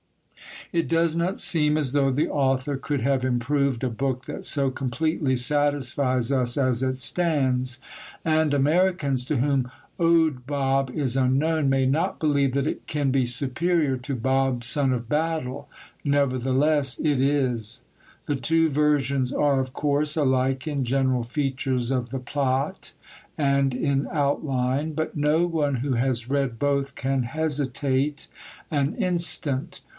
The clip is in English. It does not seem as though the author could have improved a book that so completely satisfies us as it stands; and Americans, to whom Owd Bob is unknown, may not believe that it can be superior to Bob, Son of Battle. Nevertheless it is. The two versions are of course alike in general features of the plot and in outline; but no one who has read both can hesitate an instant.